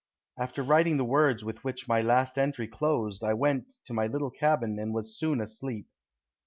After writing the words with which my last entry closed I went to my little cabin and was soon asleep.